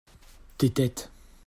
tes têtes.